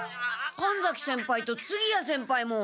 神崎先輩と次屋先輩も！